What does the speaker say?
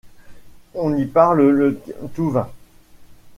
On y parle le touvain.